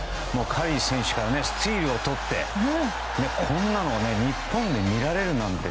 カリー選手からスティールをとってこんなのが日本で見られるなんて。